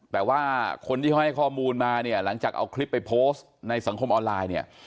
แต่ว่าคนที่เขาให้ข้อมูลมาเนี่ยหลังจากเอาคลิปไปโพสต์ในสังคมออนไลน์เนี่ย